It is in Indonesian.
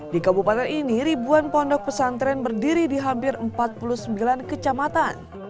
di kabupaten ini ribuan pondok pesantren berdiri di hampir empat puluh sembilan kecamatan